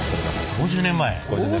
５０年前？